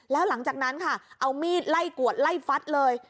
แล้วหลังจากนั้นค่ะเอามีดไล่กวดไล่ฟัดเลย